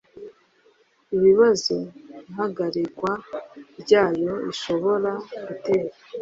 ibibazo ihagarikwa ryayo rishobora gutera